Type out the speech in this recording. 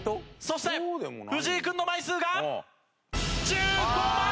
そして藤井君の枚数が１５枚！